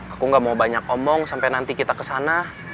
aku gak mau banyak omong sampai nanti kita kesana